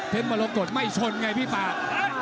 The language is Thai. เทปมะลงกดไม่ชนไงพี่ฝาก